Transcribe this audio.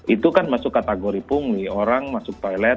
itu kan masuk kategori pungli orang masuk toilet